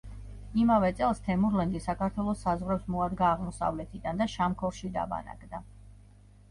იმავე წელს თემურლენგი საქართველოს საზღვრებს მოადგა აღმოსავლეთიდან და შამქორში დაბანაკდა.